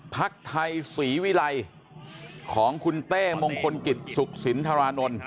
พักไทยศรีวิรัยของคุณเต้มงคลกิจสุขสินทรานนท์